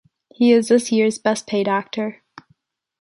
He is this year’s best paid actor.